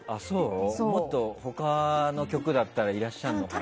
もっと他の局だったらいらっしゃるのかな。